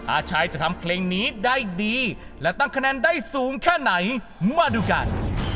อาชัยจะทำเพลงนี้ได้ดีและตั้งคะแนนได้สูงแค่ไหนมาดูกัน